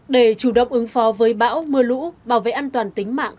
để chủ động ứng phó với bão mưa lũ bảo vệ an toàn tính mạng